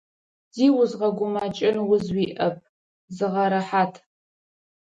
Зи узгъэгумэкӏын уз уиӏэп, зыгъэрэхьат.